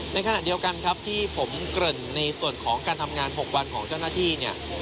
ในขณะเดียวกันครับที่ผมเกริ่นในส่วนของการทำงาน๖วันของเจ้าหน้าที่เนี่ย